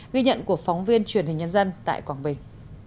ghi nhận của phóng viên truyền hình nhân dân tại quảng bình